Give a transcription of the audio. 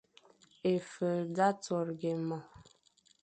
Éfel sa sorga e mo.